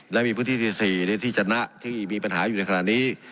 และมีพื้นที่ที่๔ในที่ชนะที่มีปัญหาอยู่ในขณะนี้